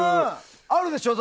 あるでしょ？